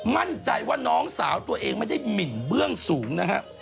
มั่นใจว่าน้องสาวตัวเองไม่ได้หมินเบื้องสูงนะฮะ